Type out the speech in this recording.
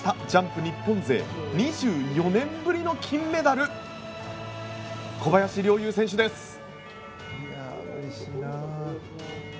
ジャンプ日本勢２４年ぶりの金メダル小林陵侑選手です。